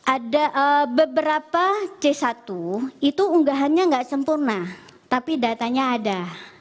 ada beberapa c satu itu unggahannya nggak sempurna tapi datanya ada